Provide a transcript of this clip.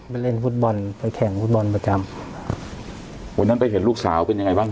เล่นฟุตบอลไปแข่งฟุตบอลประจำวันนั้นไปเห็นลูกสาวเป็นยังไงบ้าง